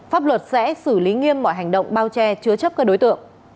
pháp luật sẽ xử lý nghiêm mọi hành động bao che chứa chấp các đối tượng